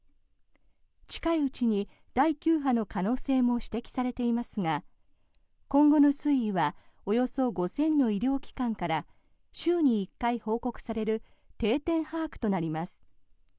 近いうちに第９波の可能性も指摘されていますが今後の推移はおよそ５０００の医療機関から週に１回報告される定点把握となります。